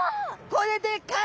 これでかい！